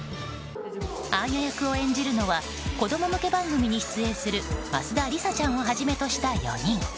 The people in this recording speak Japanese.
アーニャ役を演じるのは子供向け番組に出演する増田梨沙ちゃんをはじめとした４人。